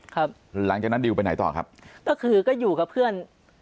ครับหลังจากนั้นดิวไปไหนต่อครับก็คือก็อยู่กับเพื่อน